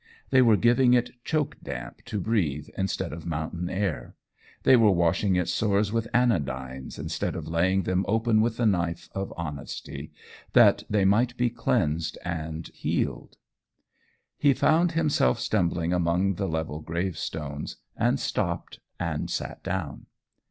They were giving it choke damp to breathe, instead of mountain air. They were washing its sores with anodynes instead of laying them open with the knife of honesty, that they might be cleansed and healed. He found himself stumbling among the level gravestones, and stopped and sat down.